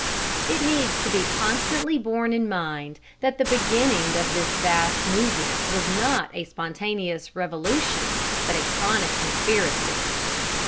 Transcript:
It needs to be constantly borne in mind that the beginning of this vast movement was not a spontaneous revolution, but a chronic conspiracy.